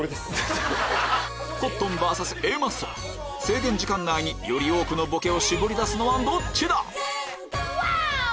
コットンｖｓＡマッソ制限時間内により多くのボケを絞り出すのはどっちだ⁉ワオ！